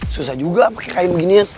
susah juga pakai kain beginian